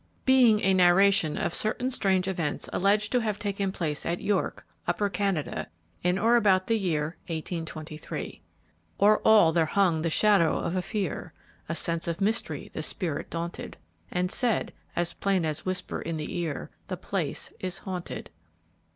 BEING A NARRATION OF CERTAIN STRANGE EVENTS ALLEGED TO HAVE TAKEN PLACE AT YORK, UPPER CANADA, IN OR ABOUT THE YEAR 1823. "O'er all there hung the Shadow of a Fear; A sense of mystery the spirit daunted; And said, as plain as whisper in the ear, The place is haunted."